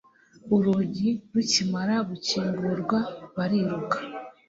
Urugi rukimara gukingurwa, bariruka.